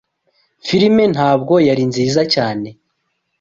Filime ntabwo yari nziza cyane.